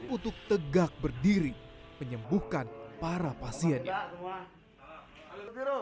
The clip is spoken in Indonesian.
untuk tegak berdiri menyembuhkan para pasiennya